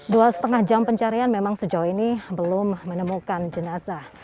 dua setengah jam pencarian memang sejauh ini belum menemukan jenazah